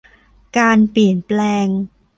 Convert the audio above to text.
การเปลี่ยนแปลง